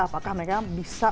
apakah mereka bisa